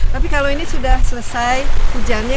tapi kalau ini sudah selesai hujannya